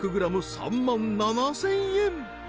３万７０００円